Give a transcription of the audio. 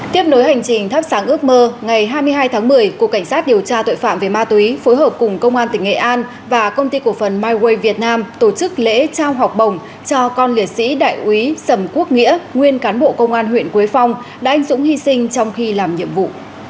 tiếp nối hành trình thắp sáng ước mơ ngày hai mươi hai tháng một mươi cục cảnh sát điều tra tội phạm về ma túy phối hợp cùng công an tỉnh nghệ an và công ty cổ phần myway việt nam tổ chức lễ trao học bổng cho con liệt sĩ đại úy sầm quốc nghĩa nguyên cán bộ công an huyện quế phong đã anh dũng hy sinh trong khi làm nhiệm vụ